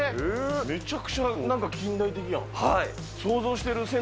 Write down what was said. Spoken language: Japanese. めちゃくちゃなんか近代的やん。